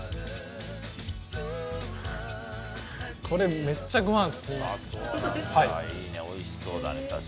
これ、めっちゃごはん進みます。